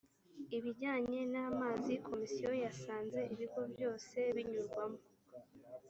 ibijyanye n ‘amazi komisiyo yasanze ibigo byose binyurwamo.